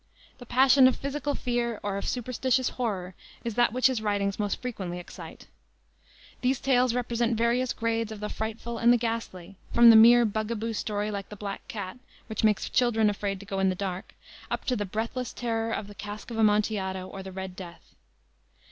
The passion of physical fear or of superstitious horror is that which his writings most frequently excite. These tales represent various grades of the frightful and the ghastly, from the mere bug a boo story like the Black Cat, which makes children afraid to go in the dark, up to the breathless terror of the Cask of Amontillado, or the Red Death.